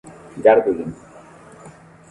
Gardu lin!